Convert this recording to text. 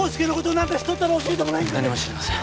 何も知りません